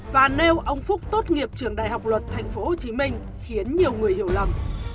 và nêu ông phúc tốt nghiệp trường đại học luật thành phố hồ chí minh khiến nhiều người hiểu lầm